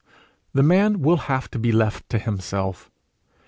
The man will have to be left to himself.